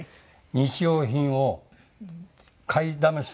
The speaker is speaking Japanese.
日用品を買いだめするんです。